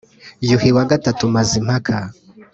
yuhi wa gatatu mazimpaka